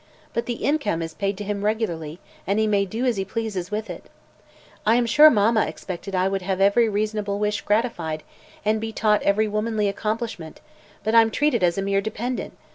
But the income is paid to him regularly, and he may do as he pleases with it. I am sure mamma expected I would have every reasonable wish gratified, and be taught every womanly accomplishment; but I'm treated as a mere dependent.